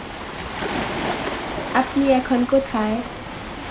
আপনি এখন কোথায়?